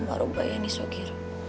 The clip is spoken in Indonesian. mau sholat buke